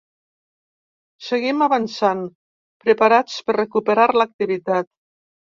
Seguim avançant, preparats per recuperar l’activitat.